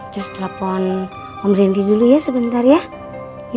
terus telpon om rendy dulu ya sebentar ya